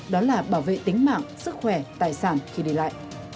đó là bảo vệ tính mạng sức khỏe tài sản khi đi lại